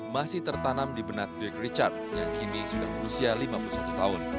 masih tertanam di benak deck richard yang kini sudah berusia lima puluh satu tahun